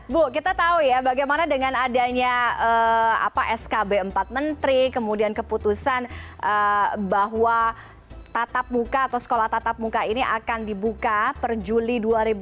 bu kita tahu ya bagaimana dengan adanya skb empat menteri kemudian keputusan bahwa tatap muka atau sekolah tatap muka ini akan dibuka per juli dua ribu dua puluh